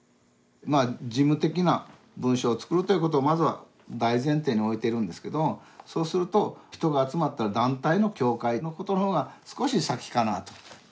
まあ事務的な文章を作るということをまずは大前提においてるんですけどそうすると人が集まっている団体の「協会」のことの方が少し先かなと。